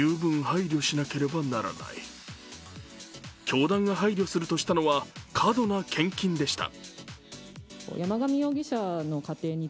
教団が配慮するとしたのは、過度な献金でした。